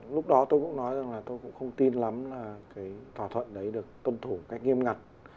lúc đó tôi cũng nói rằng là tôi cũng không tin lắm là cái thỏa thuận đấy được tuân thủ một cách nghiêm ngặt